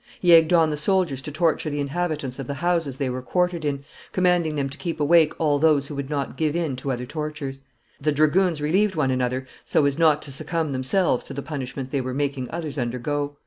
He egged on the soldiers to torture the inhabitants of the houses they were quartered in, commanding them to keep awake all those who would not give in to other tortures. The dragoons relieved one another so as not to succumb themselves to the punishment they were making others undergo.